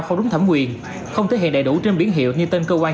không đúng thẩm quyền không thể hiện đầy đủ trên biển hiệu như tên cơ quan